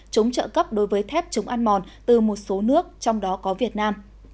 chúng trợ cấp đối với thép chúng ăn mòn từ một số nước trong đó có việt nam